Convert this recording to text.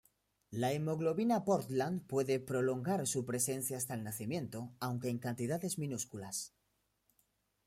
La hemoglobina Portland puede prolongar su presencia hasta el nacimiento, aunque en cantidades minúsculas.